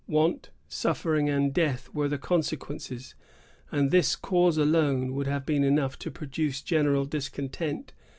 Want, suffering, and death, were the consequences; and this cause alone would have been enough to produce general discontent.